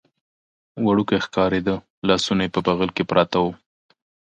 وړوکی ښکارېده، لاسونه یې په بغل کې پراته و.